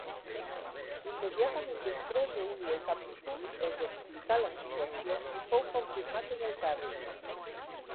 Immediatament després reuní el Capítol, els explicà la situació i fou confirmat en el càrrec.